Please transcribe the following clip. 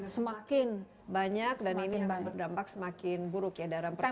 semakin banyak dan ini berdampak semakin buruk ya dalam perjalanan